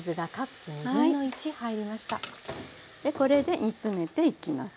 これで煮詰めていきます。